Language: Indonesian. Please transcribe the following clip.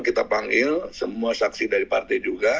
kita panggil semua saksi dari partai juga